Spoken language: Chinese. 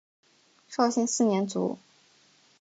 绍兴四年卒。